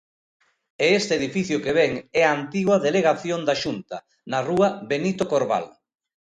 É este edificio que ven é a antiga Delegación da Xunta, na rúa Benito Corbal.